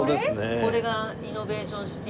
これがイノベーションシティ。